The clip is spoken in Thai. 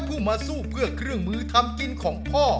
ผู้มาสู้เพื่อเครื่องมือทำกินของพ่อ